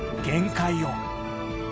限界を。